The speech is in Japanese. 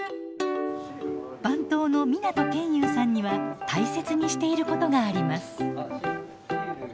番頭の湊研雄さんには大切にしていることがあります。